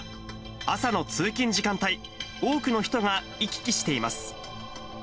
朝の通勤時間帯、多くの人が行き来しています。